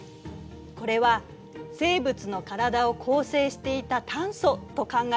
これは生物の体を構成していた炭素と考えられているの。